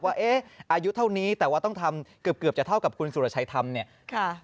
ว่าอายุเท่านี้แต่ว่าต้องทำเกือบจะเท่ากับคุณสุรชัยทำเนี่ย